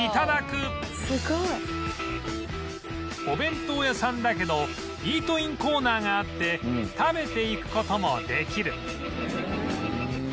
お弁当屋さんだけどイートインコーナーがあって食べていく事もできる